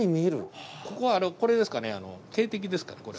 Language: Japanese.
ここはこれですかね警笛ですかねこれ。